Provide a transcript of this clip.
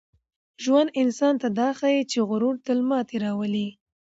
ژوند انسان ته دا ښيي چي غرور تل ماتې راولي.